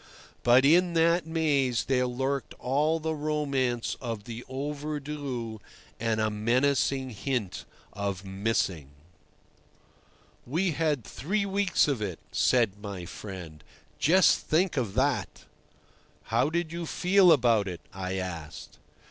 But in that maze there lurked all the romance of the "overdue" and a menacing hint of "missing." "We had three weeks of it," said my friend, "just think of that!" "How did you feel about it?" I asked.